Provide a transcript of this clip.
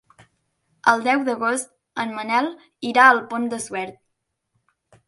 El deu d'agost en Manel irà al Pont de Suert.